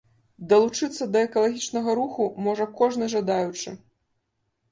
Далучыцца да экалагічнага руху можа кожны жадаючы.